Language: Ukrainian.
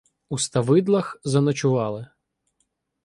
У Ставидлах заночували.